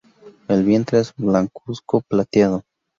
El vientre es blancuzco-plateado.